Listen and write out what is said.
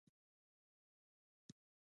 وقایه له درملنې غوره ده